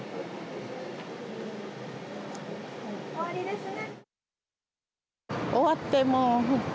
終わりですね。